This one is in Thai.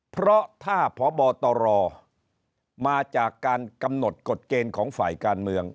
เพราะถ้าพบตรมาจากการกำหนดกฎเกณฑ์ของฝ่ายการเมือง